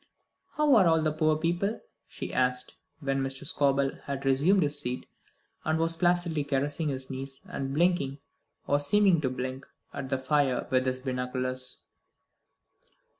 "How are all the poor people?" she asked, when Mr. Scobel had resumed his seat, and was placidly caressing his knees, and blinking, or seeming to blink, at the fire with his binoculars.